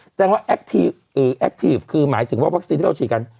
แสดงว่าแอคทีฟคือหมายถึงว่าวัคซีนที่เราฉีดกัน